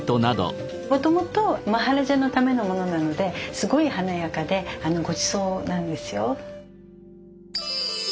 もともとマハラジャのためのものなのですごい華やかでごちそうなんですよ。